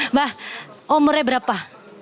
mbak umurnya berapa